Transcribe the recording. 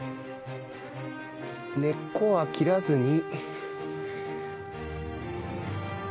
根っこは切らずに。